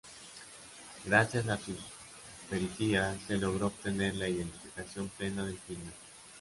Gracias a sus pericias, se logró obtener la identificación plena del criminal.